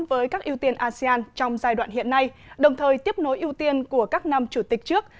với các ưu tiên asean trong giai đoạn hiện nay đồng thời tiếp nối ưu tiên của các năm chủ tịch trước